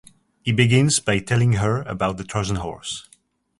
He begins by telling her about the Trojan Horse.